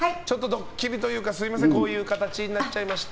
ドッキリというかこういう形になっちゃいまして。